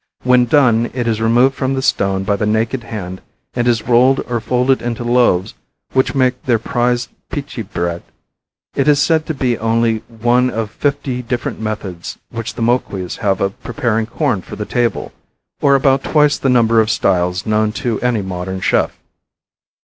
When done it is removed from the stone by the naked hand and is rolled or folded into loaves which makes their prized pici bread. It is said to be only one of fifty different methods which the Moquis have of preparing corn for the table, or about twice the number of styles known to any modern chef.